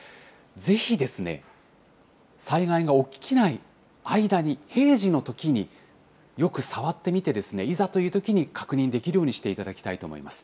ぜひ、災害が起きない間に、平時のときによく触ってみて、いざというときに確認できるようにしていただきたいと思います。